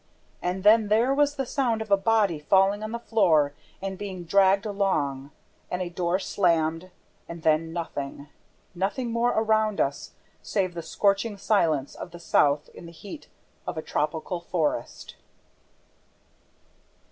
And then there was the sound of a body falling on the floor and being dragged along and a door slammed and then nothing, nothing more around us save the scorching silence of the south in the heart of a tropical forest!